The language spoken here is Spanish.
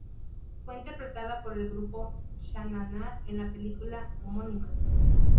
Fue interpretada por el grupo Sha Na Na en la película homónima.